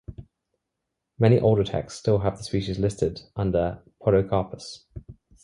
Many older texts still have the species listed under "Podocarpus".